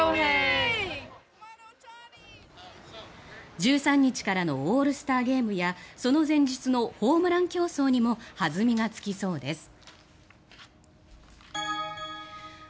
１３日からのオールスターゲームやその前日のホームラン競争にも弾みがつきそうです。